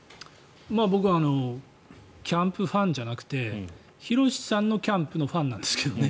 僕はキャンプファンじゃなくてヒロシさんのキャンプのファンなんですけどね。